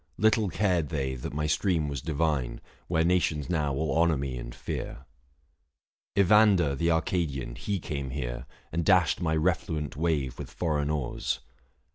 Little cared they that my stream was divine, 730 Where nations now all honour me and fear. Evander, the Arcadian, he came here, Book V. THE FASTI. 167 And dashed my refluent wave with foreign oars.